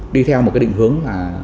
đi theo một định hướng